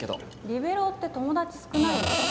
リベロウって友達少ないでしょ？